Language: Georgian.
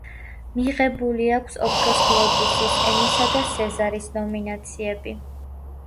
მიღებული აქვს ოქროს გლობუსის, ემისა და სეზარის ნომინაციები.